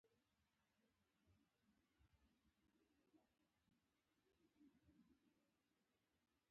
کندز سیند د افغان ښځو په ژوند کې رول لري.